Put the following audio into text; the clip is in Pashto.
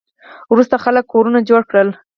وروسته خلکو کورونه جوړ کړل